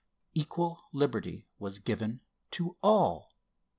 Equal liberty was given to all.